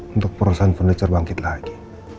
untuk perusahaan furniture bangkit lagi